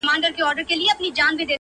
ده آغازه دا وينا په جوش او شور کړه٫